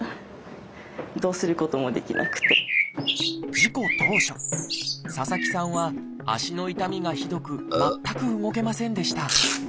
事故当初佐々木さんは足の痛みがひどく全く動けませんでした。